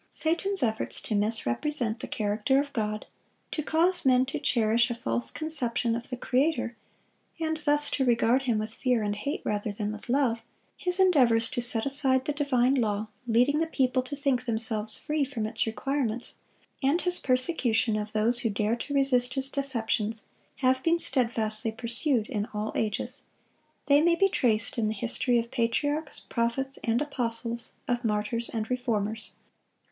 Satan's efforts to misrepresent the character of God, to cause men to cherish a false conception of the Creator, and thus to regard Him with fear and hate rather than with love; his endeavors to set aside the divine law, leading the people to think themselves free from its requirements; and his persecution of those who dare to resist his deceptions, have been steadfastly pursued in all ages. They may be traced in the history of patriarchs, prophets, and apostles, of martyrs and reformers.